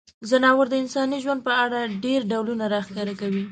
ځناور د انساني ژوند په اړه ډیری ډولونه راښکاره کوي.